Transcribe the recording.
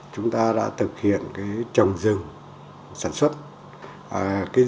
chúng ta đã thực hiện trồng rừng